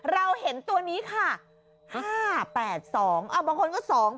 เราเห็นตัวนี้ค่ะ๕๘๒บางคนก็๒๘